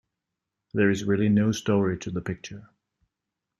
There is really no story to the picture...